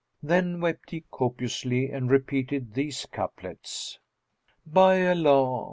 Then wept he copiously and repeated these couplets, "By Allah!